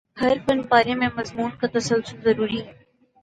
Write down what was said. ہر فن پارے میں مضمون کا تسلسل ضروری ہے